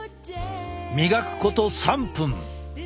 磨くこと３分。